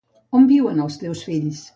On viuen els teus fills?